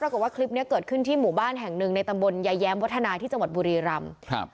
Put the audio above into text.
ปรากฏว่าคลิปนี้เกิดขึ้นที่หมู่บ้านแห่งหนึ่งในตำบลยายแย้มวัฒนาที่จังหวัดบุรีรำครับ